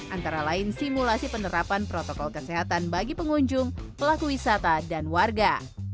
antara lain simulasi penerapan protokol kesehatan bagi pengunjung pelaku wisata dan warga